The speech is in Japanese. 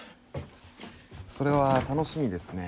それは楽しみですね。